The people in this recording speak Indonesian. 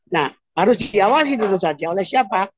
nah harus diawasi tentu saja oleh siapa